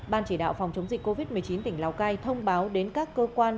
ban chỉ đạo phòng chống dịch covid một mươi chín tỉnh lào cai thông báo đến các cơ quan